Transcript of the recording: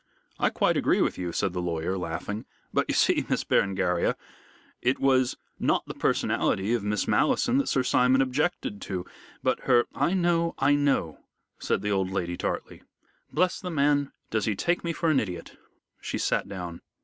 "I quite agree with you," said the lawyer, laughing; "but you see, Miss Berengaria, it was not the personality of Miss Malleson that Sir Simon objected to, but her " "I know I know," said the old lady tartly. "Bless the man, does he take me for an idiot." She sat down.